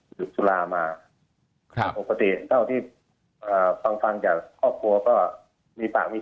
หยุดสุรามาครับปกติเท่าที่ฟังจากครอบครัวก็มีฝากมี